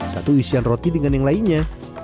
satu isian roti dengan yang lainnya